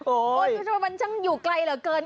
โอ้โหทำไมมันช่างอยู่ไกลเหลือเกิน